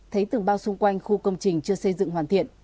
thấy tường bao xung quanh khu công trình chưa xây dựng hoàn thiện